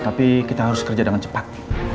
tapi kita harus kerja dengan cepat